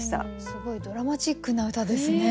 すごいドラマチックな歌ですね。